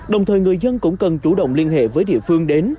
đồng thời người dân cũng cần chủ động liên hệ với địa phương đến